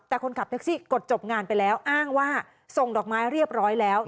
แต่คนขับแท็กซี่กดจบงานไปแล้วอ้างว่าส่งดอกไม้เรียบร้อยแล้ว